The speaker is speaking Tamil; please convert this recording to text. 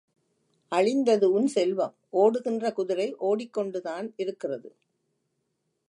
அழிந்தது உன் செல்வம் ஒடுகின்ற குதிரை ஓடிக்கொண்டுதான் இருக்கிறது.